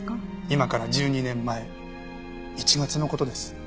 今から１２年前１月の事です。